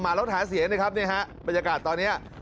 มาแล้วหาเสียงนะครับบรรยากาศตอนนี้